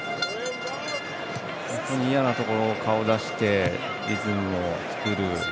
本当に嫌なところに顔を出して、リズムを作る。